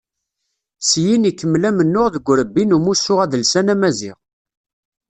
Syin ikemmel amennuɣ deg urebbi n umussu adelsan amaziɣ.